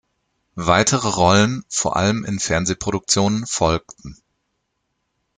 Weitere Rollen, vor allem in Fernsehproduktionen, folgten.